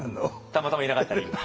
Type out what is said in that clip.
たまたまいなかったり？